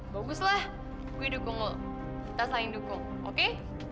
baguslah gue dukung lo kita saling dukung oke